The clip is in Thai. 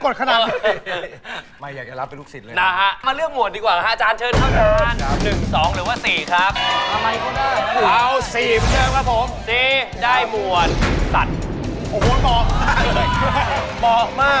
สำหรับเกมไม้กระดก